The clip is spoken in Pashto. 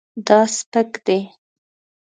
دا سپک دی